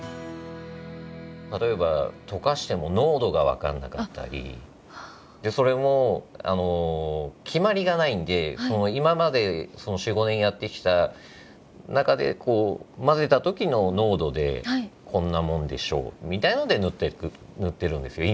例えば溶かしても濃度が分かんなかったりそれも決まりがないんで今まで４５年やってきた中で混ぜた時の濃度でこんなもんでしょうみたいので塗ってるんですよ